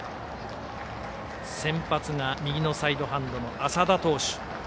先発が右のサイドハンドの麻田投手。